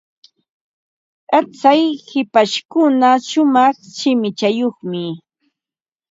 Tsay hipashpuka shumaq shimichayuqmi.